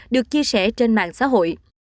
được chia sẻ trên mạng xã hội